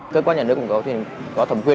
cơ quan nhà nước cũng có thẩm quyền